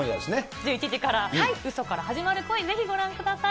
１１時から、嘘から始まる恋、ぜひご覧ください。